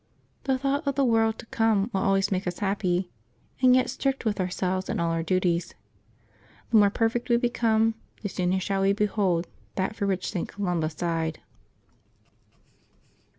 — The thought of the world to come will always make us happy, and yet strict with ourselves in all our duties. The more perfect we become, the sooner shall we behold that for which St. Columba sighed.